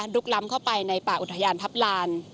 ล้ำเข้าไปในป่าอุทยานทัพลาน